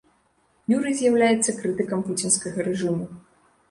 Юрый з'яўляецца крытыкам пуцінскага рэжыму.